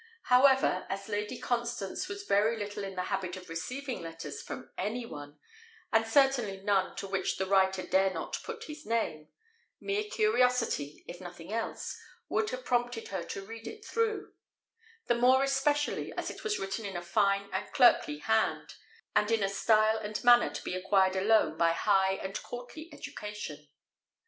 However, as Lady Constance was very little in the habit of receiving letters from any one, and certainly none to which the writer dare not put his name, mere curiosity, if nothing else, would have prompted her to read it through; the more especially as it was written in a fine and clerkly hand, and in a style and manner to be acquired alone by high and courtly education.